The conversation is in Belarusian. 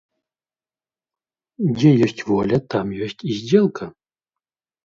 Дзе ёсць воля, там ёсць і здзелка.